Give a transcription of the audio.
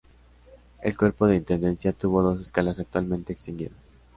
El Cuerpo de Intendencia tuvo dos escalas actualmente extinguidas.